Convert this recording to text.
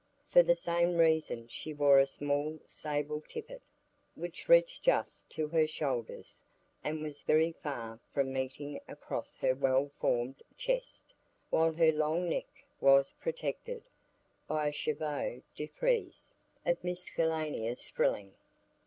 For the same reason she wore a small sable tippet, which reached just to her shoulders, and was very far from meeting across her well formed chest, while her long neck was protected by a chevaux de frise of miscellaneous frilling.